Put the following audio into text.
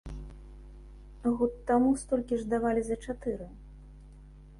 Год таму столькі ж давалі за чатыры.